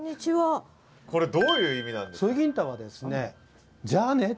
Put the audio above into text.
これどういう意味なんです？